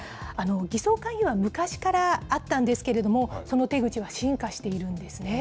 偽装勧誘は昔からあったんですけれども、その手口は進化しているんですね。